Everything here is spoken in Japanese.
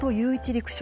陸将